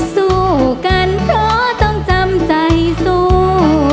สู้กันเพราะต้องจำใจสู้